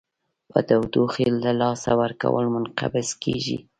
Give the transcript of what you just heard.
په تودوخې له لاسه ورکولو منقبض کیږي.